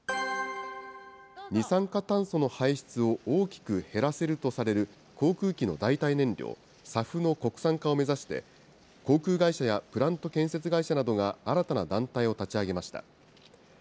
二酸化炭素の排出を大きく減らせるとされる航空機の代替燃料、ＳＡＦの国産化を目指して、航空会社やプラント建設会社などが新たな団体を立ち上げました。